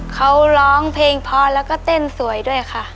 เขาร้องเพลงพอแล้วก็เต้นสวยด้วยค่ะ